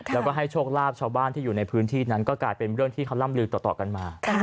แล้วก็ให้โชคลาภชาวบ้านที่อยู่ในพื้นที่นั้นก็กลายเป็นเรื่องที่เขาร่ำลือต่อกันมา